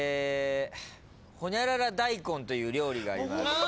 ホニャララ大根という料理があります。